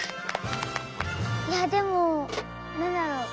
いやでもなんだろう。